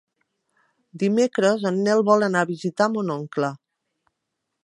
Dimecres en Nel vol anar a visitar mon oncle.